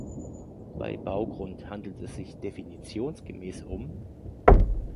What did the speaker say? Bei Baugrund handelt es sich definitionsgemäß um.